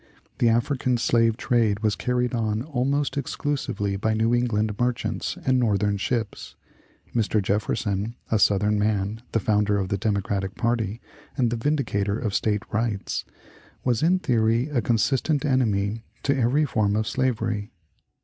The African slave trade was carried on almost exclusively by New England merchants and Northern ships. Mr. Jefferson a Southern man, the founder of the Democratic party, and the vindicator of State rights was in theory a consistent enemy to every form of slavery.